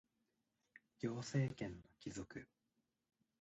行政権の帰属